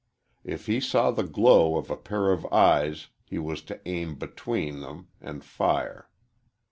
If he saw the glow of a pair of eyes he was to aim between, them and fire.